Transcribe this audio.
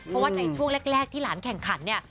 เพราะว่าในช่วงแรกที่หลานแข่งขันเนี่ย